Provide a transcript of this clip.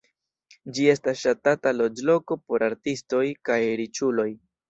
Ĝi estas ŝatata loĝloko por artistoj kaj riĉuloj.